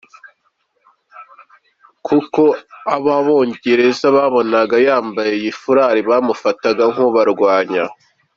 Kuko uwo Abongereza babonaga yambaye iyi foulard bamufataga nk’ubarwanya.